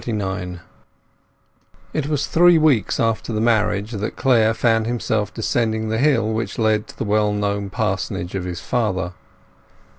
XXXIX It was three weeks after the marriage that Clare found himself descending the hill which led to the well known parsonage of his father.